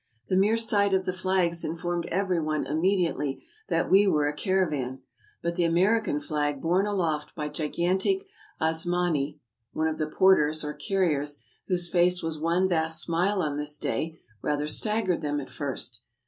The mere sight of the flags informed every one immediately that we were a cara van ; but the American flag borne aloft by gigantic Asmani (one of the porters or carriers), whose face was one vast smile on this day, rather staggered them at first.